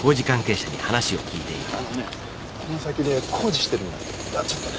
あのねこの先で工事してるんだってだからちょっとね